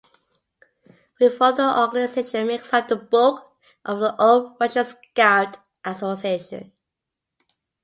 Reformed, the organization makes up the bulk of the All-Russian Scout Association.